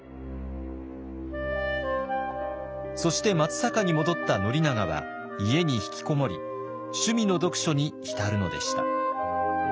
そして松坂に戻った宣長は家に引きこもり趣味の読書に浸るのでした。